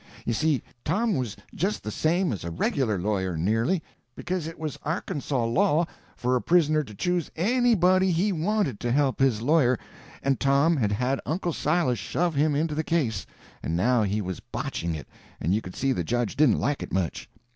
You see, Tom was just the same as a regular lawyer, nearly, because it was Arkansaw law for a prisoner to choose anybody he wanted to help his lawyer, and Tom had had Uncle Silas shove him into the case, and now he was botching it and you could see the judge didn't like it much.